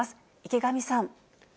池上さん。